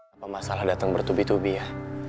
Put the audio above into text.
apa masalah datang bertubi tubi ya